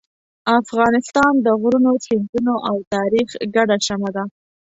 افغانستان د غرونو، سیندونو او تاریخ ګډه شمع ده.